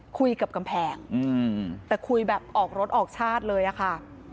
คุยกับกำแพงแต่คุยแบบออกรถออกชาติเลยอะค่ะ